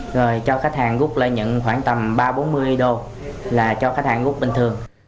rồi cho khách hàng gúc lợi nhận khoảng tầm ba bốn mươi đô là cho khách hàng gúc bình thường